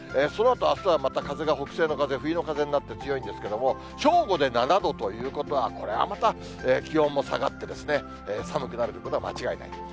そのあとあすはまた風が北西の風、冬の風になって強いんですけれども、正午で７度ということは、これはまた気温も下がってですね、寒くなることは間違いない。